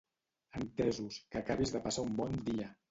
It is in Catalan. Entesos, que acabis de passar un bon dia.